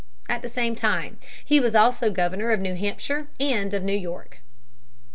At the same time he was also governor of New Hampshire and of New York.